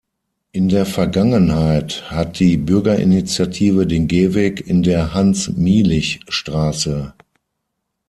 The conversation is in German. In der Vergangenheit hat die Bürgerinitiative den Gehweg in der Hans-Mielich-Str.